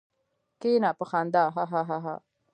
کېنه! په خندا هههه.